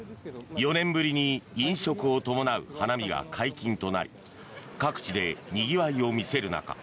４年ぶりに飲食を伴う花見が解禁となり各地でにぎわいを見せる中